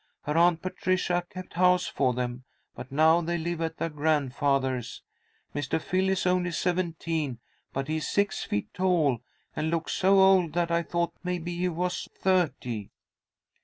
Her Aunt Patricia kept house for them, but now they live at their grandfather's. Mr. Phil is only seventeen, but he's six feet tall, and looks so old that I thought maybe he was thirty."